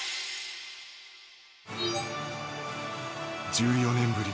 １４年ぶり